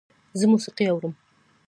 زه موسیقی اورم